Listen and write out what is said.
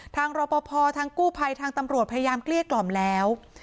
รอปภทางกู้ภัยทางตำรวจพยายามเกลี้ยกล่อมแล้ว